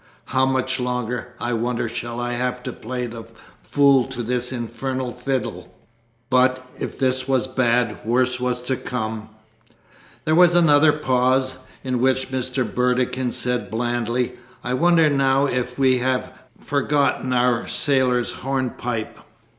How much longer, I wonder, shall I have to play the fool to this infernal fiddle!" But, if this was bad, worse was to come. There was another pause, in which Mr. Burdekin said blandly, "I wonder now if we have forgotten our sailor's hornpipe.